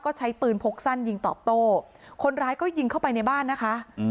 ก็ใช้ปืนพกสั้นยิงตอบโต้คนร้ายก็ยิงเข้าไปในบ้านนะคะ